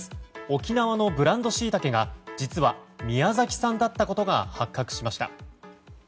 沖縄のブランドシイタケが実は宮崎産だったことが発覚しました。